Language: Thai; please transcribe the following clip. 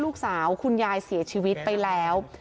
ลูกสาวคุณยายเสียชีวิตไปแล้ว